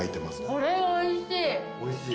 これおいしい。